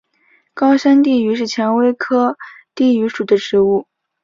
高山地榆是蔷薇科地榆属的植物。